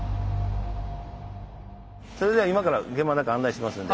それでは今から現場の中案内しますので。